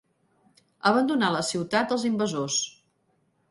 Abandonar la ciutat als invasors.